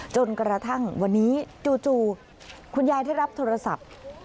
จนกระทั่งวันนี้จู่คุณยายได้รับโทรศัพท์